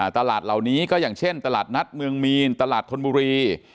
ตลาดเหล่านี้ก็อย่างเช่นตลาดนัดเมืองมีนตลาดธนบุรี